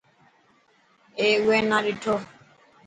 اي اوئي نا ڏٺو.